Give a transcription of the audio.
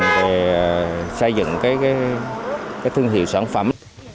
để xây dựng cái thương hiệu sản phẩm